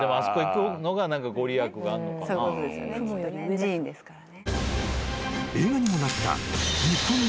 寺院ですからね。